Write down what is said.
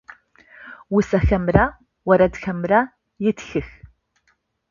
Усэхэмрэ орэдхэмрэ етхых.